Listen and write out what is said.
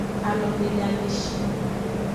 Alomeleameshi.